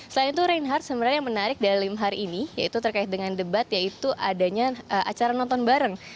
selain itu reinhardt sebenarnya yang menarik dalam hari ini yaitu terkait dengan debat yaitu adanya acara nonton bareng